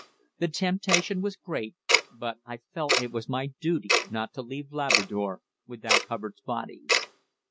The temptation was great, but I felt it was my duty not to leave Labrador without Hubbard's body.